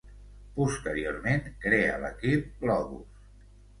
Posteriorment crea l'equip Globus.